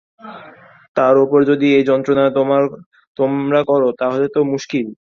তার ওপর যদি এই যন্ত্রণা তোমরা কর, তাহলে তো মুশকিল!